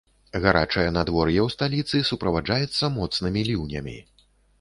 Гарачае надвор'е ў сталіцы суправаджаецца моцнымі ліўнямі.